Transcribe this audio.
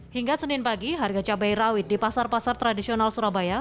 hingga senin pagi harga cabai rawit di pasar pasar tradisional surabaya